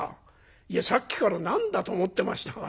いやさっきから何だと思ってましたがね。